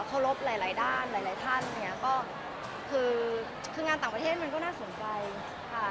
เคารพหลายหลายด้านหลายหลายท่านอย่างเงี้ยก็คือคืองานต่างประเทศมันก็น่าสนใจค่ะ